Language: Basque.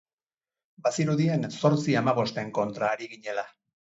Bazirudien zortzi hamabosten kontra ari ginela.